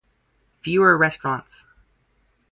Fewer restaurants.